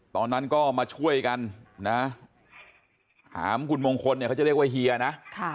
ตอนนั้นก็มาช่วยกันถามหมงคลเขาจะเรียกว่าเฮียนะ